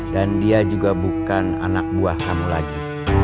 dan dia juga bukan anak buah kamu lagi